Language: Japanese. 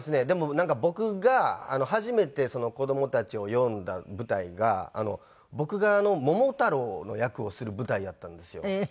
でもなんか僕が初めて子供たちを呼んだ舞台が僕が桃太郎の役をする舞台やったんですよ。